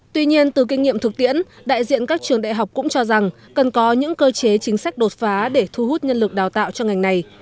tuy nhiên từ kinh nghiệm thực tiễn đại diện các trường đại học cũng cho rằng cần có những cơ chế chính sách đột phá để thu hút nhân lực đào tạo cho ngành này